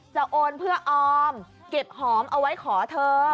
โอนเพื่อออมเก็บหอมเอาไว้ขอเธอ